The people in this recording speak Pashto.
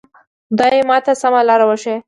خدایه ماته سمه لاره وښیه.